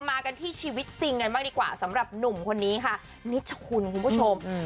มากันที่ชีวิตจริงกันบ้างดีกว่าสำหรับหนุ่มคนนี้ค่ะนิชคุณคุณผู้ชม